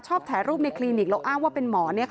ถ่ายรูปในคลินิกแล้วอ้างว่าเป็นหมอ